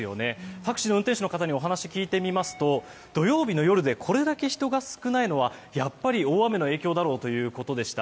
タクシーの運転手の方にお話を聞いてみますと土曜日の夜でこれだけ人が少ないのはやっぱり大雨の影響だろうということでした。